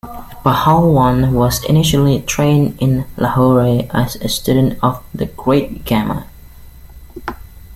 Pahalwan was initially trained in Lahore as a student of The Great Gama.